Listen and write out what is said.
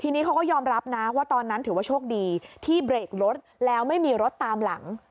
ทีนี้เขาก็ยอมรับนะว่าตอนนั้นถือว่าโชคดีที่เบรกรถแล้วไม่มีรถตามหลัง